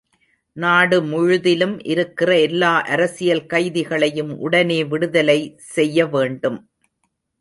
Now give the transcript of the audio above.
நாடு முழுதிலும் இருக்கிற எல்லா அரசியல் கைதிகளையும் உடனே விடுதலை செய்யவேண்டும்.